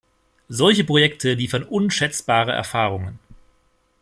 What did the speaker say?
Solche Projekte liefern unschätzbare Erfahrungen.